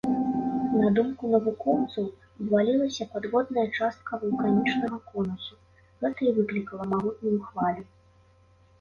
На думку навукоўцаў, абвалілася падводная частка вулканічнага конусу, гэта і выклікала магутную хвалю.